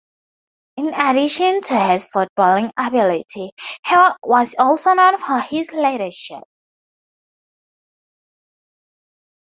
In addition to his footballing ability, he was also known for his leadership.